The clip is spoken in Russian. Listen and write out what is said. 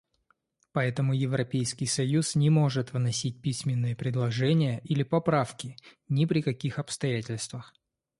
Поэтому Европейский союз не может вносить письменные предложения или поправки ни при каких обстоятельствах.